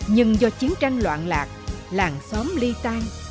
nhưng do chiến tranh loạn lạc xóm ly tan